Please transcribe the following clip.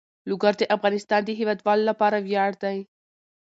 لوگر د افغانستان د هیوادوالو لپاره ویاړ دی.